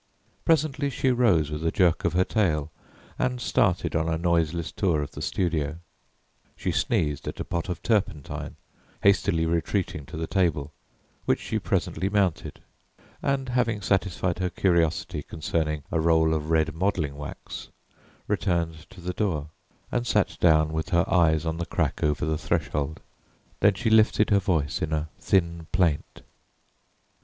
Presently she rose with a jerk of her tail and started on a noiseless tour of the studio. She sneezed at a pot of turpentine, hastily retreating to the table, which she presently mounted, and having satisfied her curiosity concerning a roll of red modelling wax, returned to the door and sat down with her eyes on the crack over the threshold Then she lifted her voice in a thin plaint.